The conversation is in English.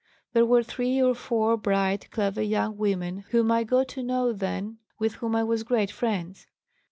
There were three or four bright, clever, young women whom I got to know then with whom I was great friends.